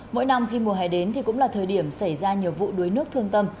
mỗi năm khi mùa hè đến thì cũng là thời điểm xảy ra nhiều vụ đuối nước thương tâm